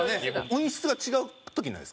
音質が違う時ないですか？